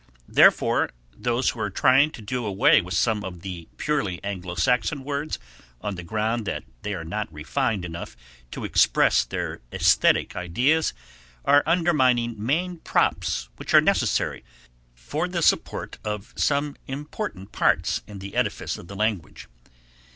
Therefore those who are trying to do away with some of the purely Anglo Saxon words, on the ground that they are not refined enough to express their aesthetic ideas, are undermining main props which are necessary for the support of some important parts in the edifice of the language.